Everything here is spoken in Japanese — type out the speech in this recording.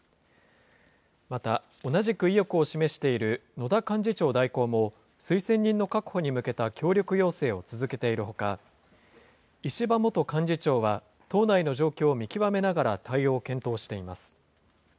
また、同じく意欲を示している、野田幹事長代行も、推薦人の確保に向けた協力要請を続けているほか、石破元幹事長は党内の状況を見極めながら対応を検討しています。